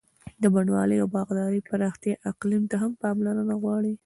د بڼوالۍ او باغدارۍ پراختیا اقلیم ته هم پاملرنه غواړي.